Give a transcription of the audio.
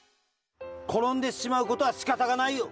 ころんでしまうことはしかたがないよ。